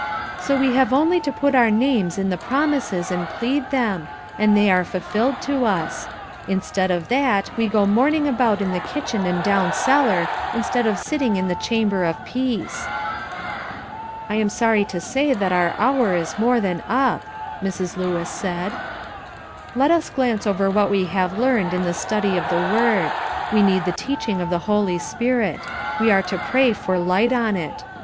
So we have only to put our names in the promises and plead them, and they are fulfilled to us. Instead of that, we go mourning about in the kitchen and down cellar, instead of sitting in the 'chamber of peace.'" "I am sorry to say that our hour is more than up," Mrs. Lewis said. "Let us glance over what we have learned in the study of the Word: We need the teaching of the Holy Spirit. We are to pray for light on it.